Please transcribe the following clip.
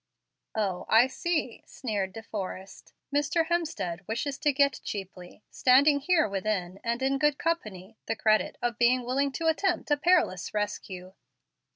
"O, I see," sneered De Forrest; "Mr. Hemstead wishes to get cheaply, standing here within and in good company, the credit of being willing to attempt a perilous rescue."